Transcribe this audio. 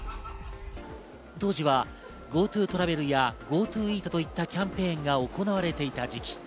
当時はＧｏＴｏトラベルやＧｏＴｏイートといったキャンペーンが行われていた時期。